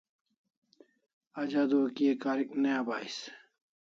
Aj adua kia karik ne abahis